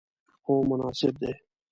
هو، مناسب دی